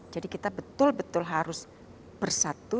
jadi kita betul betul harus bersatu